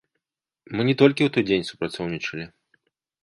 Мы не толькі ў той дзень супрацоўнічалі.